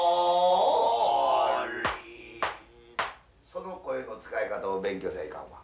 その声の使い方を勉強せないかんわ。